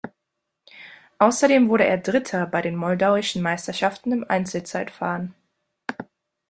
Außerdem wurde er Dritter bei den moldauischen Meisterschaften im Einzelzeitfahren.